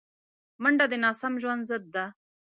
منډه د ناسم ژوند ضد ده